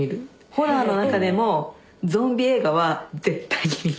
ホラーの中でもゾンビ映画は絶対に見る。